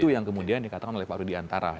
yang kemudian dikatakan oleh pak rudiantara